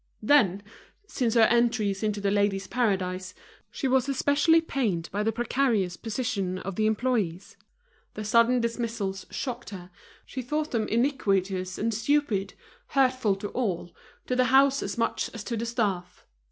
Then, since her entry into The Ladies' Paradise, she was especially pained by the precarious position of the employees; the sudden dismissals shocked her, she thought them iniquitous and stupid, hurtful to all, to the house as much as to the staff.